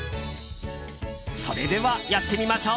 それでは、やってみましょう！